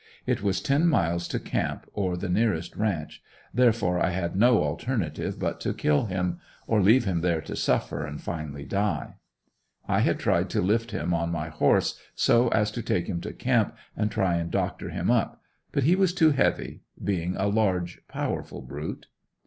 It was ten miles to camp or the nearest ranch, therefore I had no alternative but to kill him or leave him there to suffer and finally die. I had tried to lift him on my horse so as to take him to camp and try and doctor him up, but he was too heavy being a large, powerful brute.